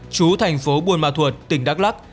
chú thành phố buôn ma thuột tỉnh đắk lắk